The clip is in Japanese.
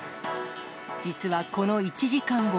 実はこの１時間後。